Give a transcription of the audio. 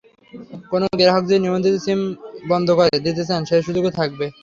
কোনো গ্রাহক যদি নিবন্ধিত সিম বন্ধ করে দিতে চান, সেই সুযোগও থাকবে।